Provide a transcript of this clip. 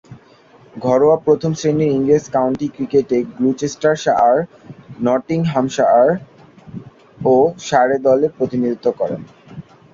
ঘরোয়া প্রথম-শ্রেণীর ইংরেজ কাউন্টি ক্রিকেটে গ্লুচেস্টারশায়ার, নটিংহ্যামশায়ার ও সারে দলের প্রতিনিধিত্ব করেন।